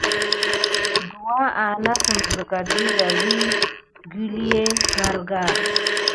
Douwa anasime siga ɗida vi kilué karka.